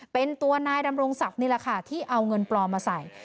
เป็นตัวนายดำรงศักดิ์นี่แหละค่ะที่เอาเงินปลอมมาใส่